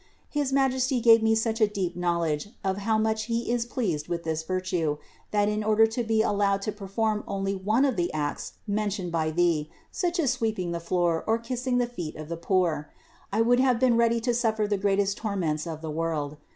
His Majesty gave me such a deep knowledge of how much He is pleased with this virtue, that in order to be allowed to perform only one of the acts mentioned by thee, such as sweeping the floor or kissing the feet of the poor, I would have been ready to suffer the greatest torments of the world.